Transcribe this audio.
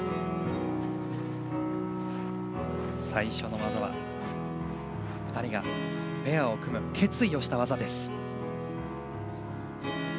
最初の技は２人がペアを組む決意をした技です。